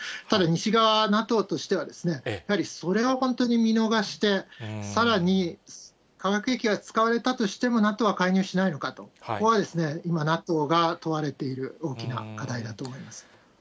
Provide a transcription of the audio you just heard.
ただ西側、ＮＡＴＯとしては、やはりそれを本当に見逃して、さらに化学兵器が使われたとしてもＮＡＴＯは介入しないのかと、ここは今、ＮＡＴＯが問われている大きな課題だと思います。